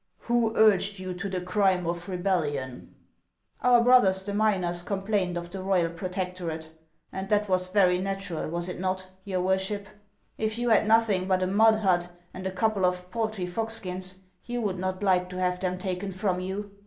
" Who urged you to the crime of rebellion ?" "Our brothers the miners complained of the royal HANS OF ICELAND. 441 protectorate ; and that was very natural, was it not, your worship ? If you had nothing but a mud hut and a couple of paltry fox skins, you would not like to have them taken from you.